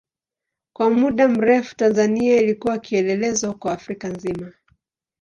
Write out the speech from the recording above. Kwa muda mrefu Tanzania ilikuwa kielelezo kwa Afrika nzima.